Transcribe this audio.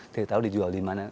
tidak tahu dijual dimana